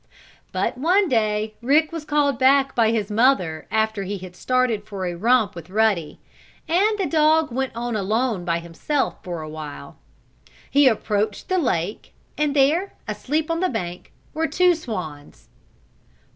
But one day Rick was called back by his mother after he had started for a romp with Ruddy, and the dog went on alone by himself for a while. He approached the lake and there, asleep on the bank, were two swans.